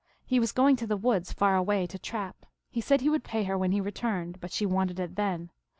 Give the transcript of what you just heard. He was going to the woods, far away, to trap ; he said he would pay her when he returned, but she wanted it then.